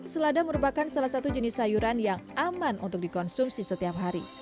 selada merupakan salah satu jenis sayuran yang aman untuk dikonsumsi setiap hari